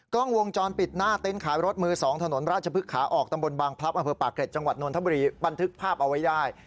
กล้องวงจรปิดหน้าเต็นต์ขายรถมือ๒ถนนราชพฤกษาออกตำบลบางพลับอำเภอปากเกร็จจังหวัดนทบุรีบันทึกภาพเอาไว้ได้